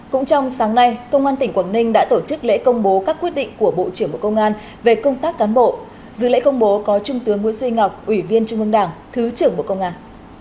cũng trong sáng nay công an tỉnh quảng ninh đã tổ chức lễ công bố các quyết định của bộ trưởng bộ công an về công tác cán bộ dự lễ công bố có trung tướng nguyễn duy ngọc ủy viên trung ương đảng thứ trưởng bộ công an